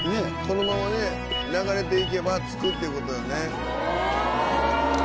このままね流れていけば着くっていう事だよね。